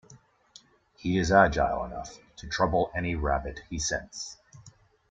He is agile enough to trouble any rabbit he scents.